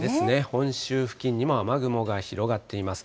本州付近にも雨雲が広がっています。